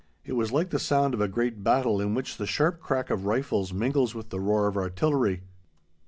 It was like the sound of a great battle in which the sharp crack of rifles mingles with the roar of artillery.